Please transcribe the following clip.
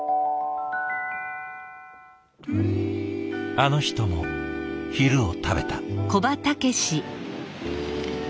あの人も昼を食べた。